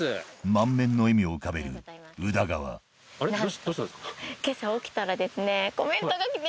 満面の笑みを浮かべる宇田川どうしたんですか？